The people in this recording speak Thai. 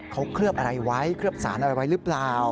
เขาเคลือบอะไรไว้เคลือบสารอะไรไว้หรือเปล่า